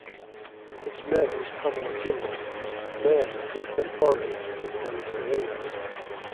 Its Mayor is Pamela Kimball, Mayor Pro Tempore is Danny Salinas.